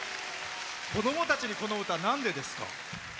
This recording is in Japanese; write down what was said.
子供たちにこの歌なんでですか？